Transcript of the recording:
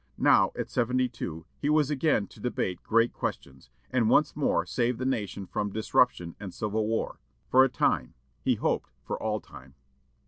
Now, at seventy two, he was again to debate great questions, and once more save the nation from disruption and civil war, for a time; he hoped, for all time.